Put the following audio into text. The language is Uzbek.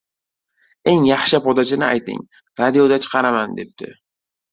Eng yaxshi podachini ayting, radioda chiqaraman, debdi.